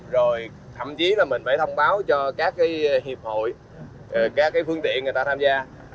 rồi thậm chí là mình phải thông báo cho các hiệp hội các phương tiện người ta tham gia